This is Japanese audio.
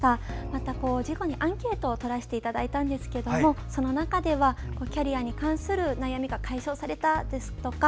また、事後にアンケートをとらせていただいたんですがその中ではキャリアに関する悩みが解消されたですとか